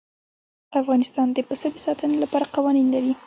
افغانستان د پسه د ساتنې لپاره قوانین لري.